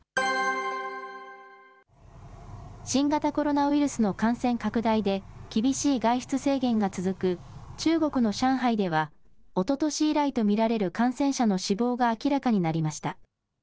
新型コロナウイルスの感染拡大で、厳しい外出制限が続く中国の上海では、おととし以来と見られる感染者の死亡が明らかになりました。